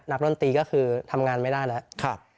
ดนตรีก็คือทำงานไม่ได้แล้ว